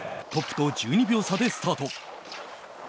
トップと１２秒差でスタート。